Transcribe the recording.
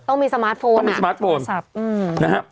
ต้องมีสมาร์ทโฟน